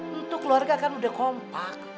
untuk keluarga kan udah kompak